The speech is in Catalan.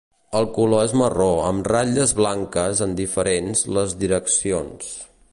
El color és marró, amb ratlles blanques en diferents les direccions.